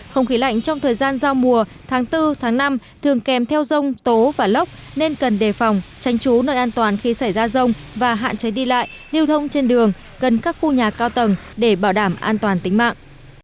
không khí lạnh trong thời gian giao mùa tháng bốn tháng năm thường kèm theo rông tố và lốc nên cần đề phòng tranh chú nơi an toàn khi xảy ra rông và hạn chế đi lại lưu thông trên đường gần các khu nhà cao tầng để bảo đảm an toàn tính mạng